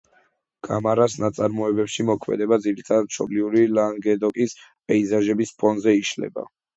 გამარას ნაწარმოებებში მოქმედება ძირითადად მშობლიური ლანგედოკის პეიზაჟების ფონზე იშლება.